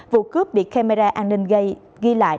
vụ cướp bị camera an ninh ghi lại